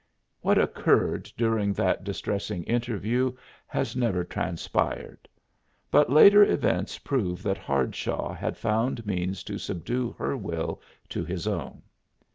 What occurred during that distressing interview has never transpired; but later events prove that Hardshaw had found means to subdue her will to his own.